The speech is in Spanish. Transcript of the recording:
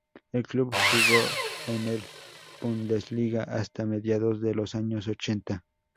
El club jugó en el Bundesliga hasta mediados de los años ochenta.